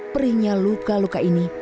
perihnya luka luka ini